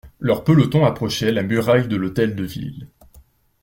Leurs pelotons approchaient la muraille de l'Hôtel de Ville.